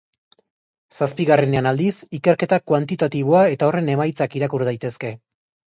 Zazpigarrenean, aldiz, ikerketa kuantitatiboa eta horren emaitzak irakur daitezke.